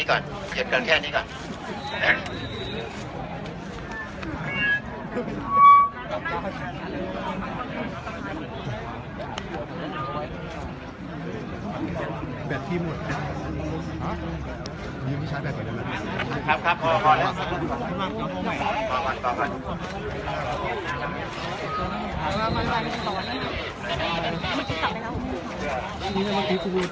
ก็ไม่มีใครกลับมาเมื่อเวลาอาทิตย์เกิดขึ้น